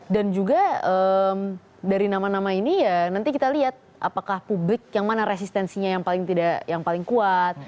dan juga dari nama nama ini ya nanti kita lihat apakah publik yang mana resistensinya yang paling kuat